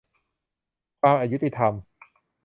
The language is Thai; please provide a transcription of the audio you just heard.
ความอยุติธรรม